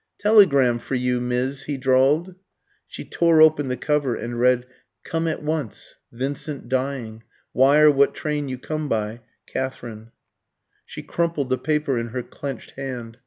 "Teleegram vur yü, Mizz," he drawled. She tore open the cover, and read: "Come at once. Vincent dying. Wire what train you come by. Katherine." She crumpled the paper in her clenched hand.